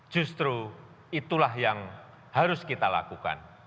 justru itulah yang harus kita lakukan